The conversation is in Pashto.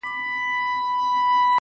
o تر دې نو بله ښه غزله کتابي چیري ده.